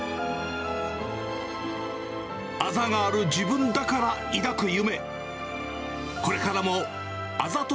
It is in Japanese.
あざがある自分だから抱く夢。